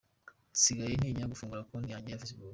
Nsigaye ntinya gufungura konti yanjye ya Facebook”.